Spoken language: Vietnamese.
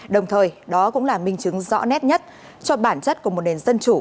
đồng thời đó cũng là minh chứng rõ nét nhất cho bản chất của một nền dân chủ